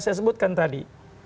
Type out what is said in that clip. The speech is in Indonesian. saya sebutkan tadi